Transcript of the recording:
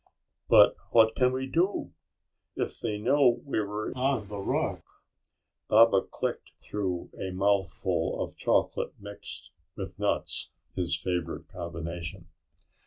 "But what can we do, if they know we were on the rock?" Baba clicked through a mouthful of chocolate mixed with nuts his favorite combination.